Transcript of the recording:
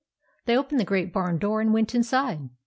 " They opened the great barn door and went inside.